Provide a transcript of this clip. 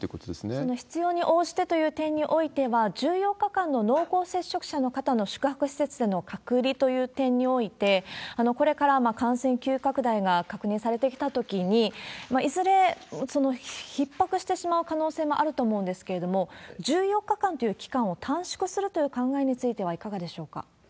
その必要に応じてという点においては、１４日間の濃厚接触者の方の宿泊施設での隔離という点において、これから感染急拡大が確認されてきたときに、いずれひっ迫してしまう可能性もあると思うんですけれども、１４日間という期間を短縮するという考えについてはいかがでしょうか？